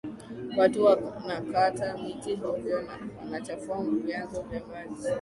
Watu wanakata miti hovyo na wanachafua vyanzo vya maji